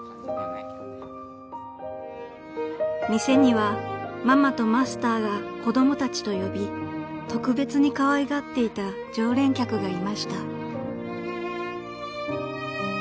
［店にはママとマスターが子供たちと呼び特別にかわいがっていた常連客がいました］